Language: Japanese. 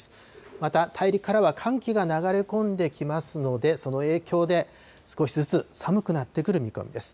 また、大陸からは寒気が流れ込んできますので、その影響で少しずつ寒くなってくる見込みです。